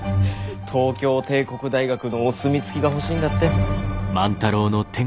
東京帝国大学のお墨付きが欲しいんだって。